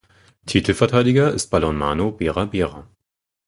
Titelverteidiger ist Balonmano Bera Bera.